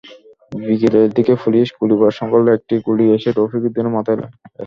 বিকেলের দিকে পুলিশ গুলিবর্ষণ করলে একটি গুলি এসে রফিকুদ্দিনের মাথায় লাগে।